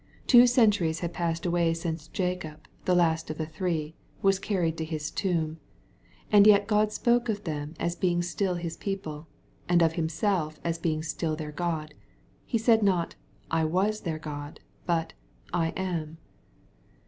Two centuries had passed away since Jacob, the last of the three, was carried to his tomb. And yet God spoke of them as being still His people, and of Himself as being still their God. He said not, " I was their God,'' but " I am.")